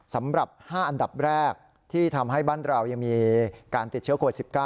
สำหรับ๕อันดับแรกที่ทำให้บ้านเรายังมีการติดเชื้อโควิด๑๙